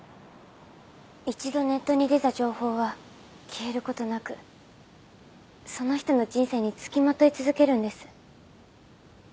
一度ネットに出た情報は消える事なくその人の人生につきまとい続けるんです。